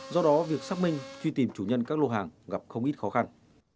do đó việc xác minh truy tìm chủ nhân các lô hàng gặp không ít khó khăn